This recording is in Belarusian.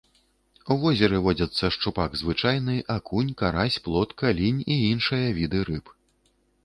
У возеры водзяцца шчупак звычайны, акунь, карась, плотка, лінь і іншыя віды рыб.